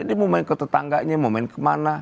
ini mau main ke tetangganya mau main kemana